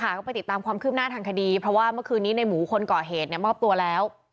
ก็ไปติดตามความคืบหน้าทางคดีเพราะว่าเมื่อคืนนี้ในหมูคนก่อเหตุมอบตัวแล้ว